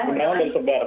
undangan udah disebar